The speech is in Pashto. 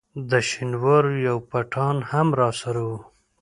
د شینوارو یو پټان هم راسره وو.